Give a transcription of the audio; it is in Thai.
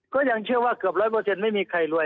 ก็ยังเชื่อว่าเกือบร้อยเปอร์เซ็นต์ไม่มีใครรวย